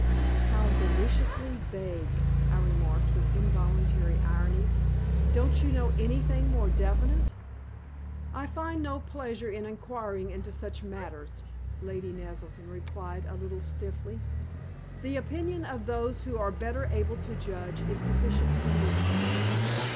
"How deliciously vague!" I remarked, with involuntary irony. "Don't you know anything more definite?" "I find no pleasure in inquiring into such matters," Lady Naselton replied a little stiffly. "The opinion of those who are better able to judge is sufficient for me."